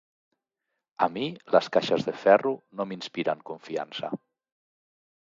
A mi les caixes de ferro no m'inspiren confiança.